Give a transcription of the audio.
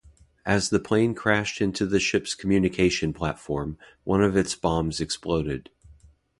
As the plane crashed into the ship's communication platform, one of its bombs exploded.